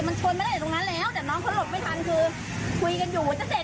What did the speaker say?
มันชนมาตั้งแต่ตรงนั้นแล้วแต่น้องเขาหลุดไม่ทันคือ